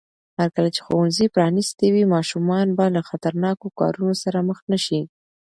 هرکله چې ښوونځي پرانیستي وي، ماشومان به له خطرناکو کارونو سره مخ نه شي.